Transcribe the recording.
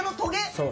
そう。